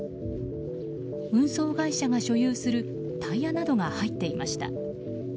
運送会社が所有するタイヤなどが入っていました。